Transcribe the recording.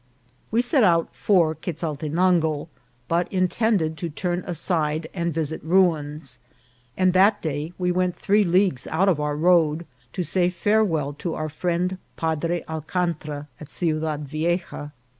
We set out for Quezaltenango, but intended to turn aside and visit ruins, and that day we went three leagues out of our road to say farewell to our friend Padre Al cantra al Ciudad Vieja.